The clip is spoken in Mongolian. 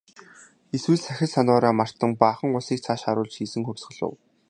Эсвэл сахил санваараа мартан баахан улсыг цааш харуулж хийсэн хувьсгал уу?